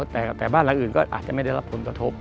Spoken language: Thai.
แต่บ้านหลังอื่นก็อาจจะไม่ได้รับผลกระทบ